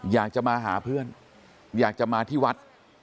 อยากจะมาหาเพื่อนอยากจะมาที่วัด